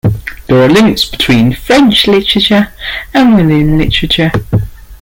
There are links between French literature and Walloon literature.